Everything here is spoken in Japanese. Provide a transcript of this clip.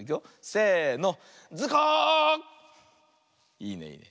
いいねいいね。